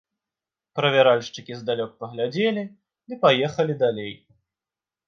Правяральшчыкі здалёк паглядзелі ды паехалі далей.